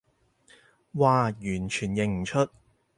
嘩，完全認唔出